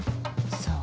さあ。